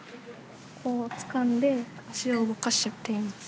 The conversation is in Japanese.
こうつかんで足を動かしています。